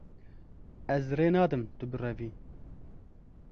Ez rê nadim tu birevî.